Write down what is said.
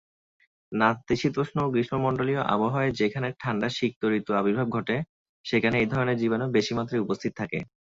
নাতিশীতোষ্ণ ও গ্রীষ্মমণ্ডলীয় আবহাওয়ায় যেখানে ঠাণ্ডা সিক্ত ঋতু আবির্ভাব ঘটে সেখানে এই ধরনের জীবাণু বেশি মাত্রায় উপস্থিত থাকে।